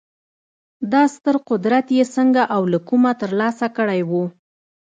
دا ستر قدرت یې څنګه او له کومه ترلاسه کړی و